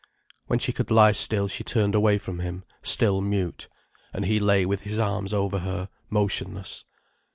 When she could lie still she turned away from him, still mute. And he lay with his arms over her, motionless.